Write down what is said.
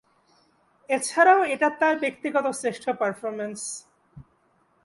এছাড়াও এটা তার ব্যক্তিগত শ্রেষ্ঠ পারফরমেন্স।